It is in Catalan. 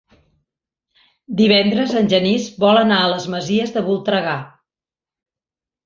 Divendres en Genís vol anar a les Masies de Voltregà.